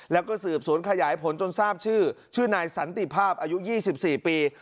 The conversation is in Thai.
แล้วก็สืบสวนขยายผลจนทราบชื่อชื่อนายสันติภาพอายุ๒๔ปี